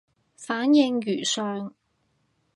反應如上